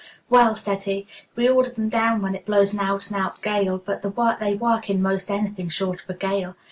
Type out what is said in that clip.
"Well," said he, "we order them down when it blows an out and out gale, but they work in 'most anything short of a gale.